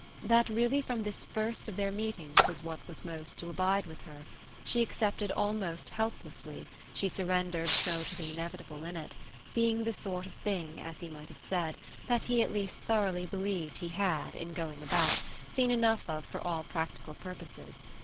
That really from this first of their meetings was what was most to abide with her: she accepted almost helplessly she surrendered so to the inevitable in it being the sort of thing, as he might have said, that he at least thoroughly believed he had, in going about, seen enough of for all practical purposes.